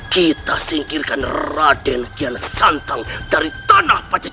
kita singkirkan raden kian santang dari tanah pacitan